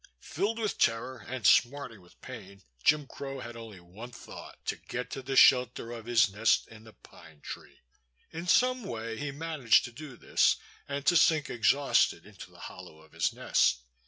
Filled with terror and smarting with pain, Jim Crow had only one thought: to get to the shelter of his nest in the pine tree. In some way he managed to do this, and to sink exhausted into the hollow of his nest.